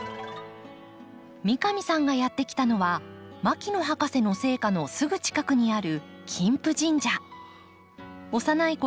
三上さんがやって来たのは牧野博士の生家のすぐ近くにある幼いころ